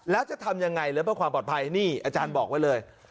แล้วจะทำยังไงแล้วเพื่อความปลอดภัยนี่อาจารย์บอกไว้เลย